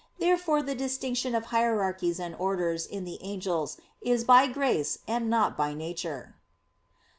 Therefore the distinction of hierarchies and orders in the angels is by grace, and not by nature.